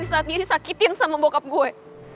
di saat diri sakitin sama bokap gue